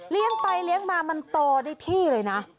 เลี้ยงไปเลี้ยงมามันโตได้ที่เลยนะ